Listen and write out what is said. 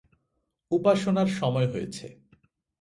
উপাসনার সময় হয়েছে।